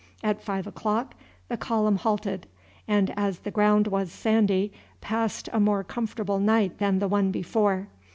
At five o'clock the column halted, and as the ground was sandy passed a more comfortable night than the one before.